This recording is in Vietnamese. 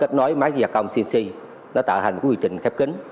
kết nối máy gia công cnc nó tạo hành một quy trình khép kính